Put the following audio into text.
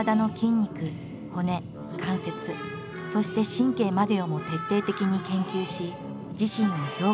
肉骨関節そして神経までをも徹底的に研究し自身を表現する。